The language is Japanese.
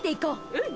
うん。